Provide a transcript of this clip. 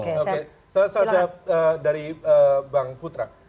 oke saya jawab dari bang putra